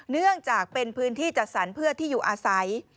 เนื่องจากเป็นพื้นที่จัดสรรเพื่อที่อยู่อาศัย